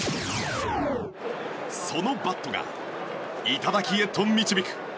そのバットが頂きへと導く。